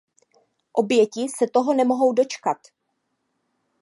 Oběti se toho nemohou dočkat.